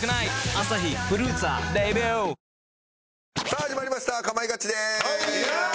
さあ始まりました『かまいガチ』です。